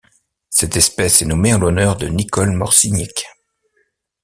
Cette espèce est nommée en l'honneur de Nicole Morciniec.